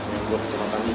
yang dua kecamatan itu